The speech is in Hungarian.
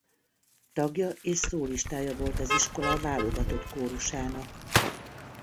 Tagja és szólistája volt az iskola válogatott kórusának.